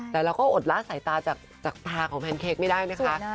แต่เราก็อดละสายตาจากตาของแพนเค้กไม่ได้นะคะ